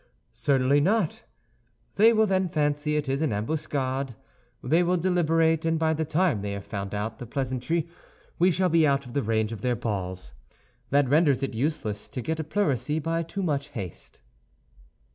"Certainly not! They will then fancy it is an ambuscade, they will deliberate; and by the time they have found out the pleasantry, we shall be out of the range of their balls. That renders it useless to get a pleurisy by too much haste."